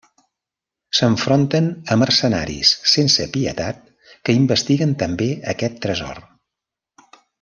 S'enfronten a mercenaris sense pietat que investiguen també aquest tresor.